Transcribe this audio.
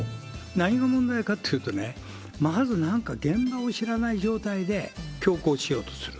何が問題かっていうとね、まずなんか、現場を知らない状態で強行しようとする。